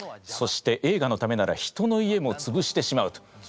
そして映画のためなら人の家もつぶしてしまうと。